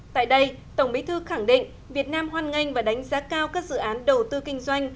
tại đây tổng bí thư khẳng định việt nam hoan nghênh và đánh giá cao các dự án đầu tư kinh doanh